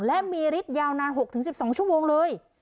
และมีฤทธิ์ยาวนาน๖๑๒ชั่วโมงเลย